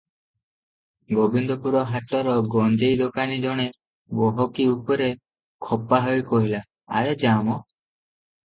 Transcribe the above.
ଗୋବିନ୍ଦପୁର ହାଟର ଗଞ୍ଜେଇଦୋକାନୀ ଜଣେ ଗହକି ଉପରେ ଖପା ହୋଇ କହିଲା, "ଆରେ ଯା ମ ।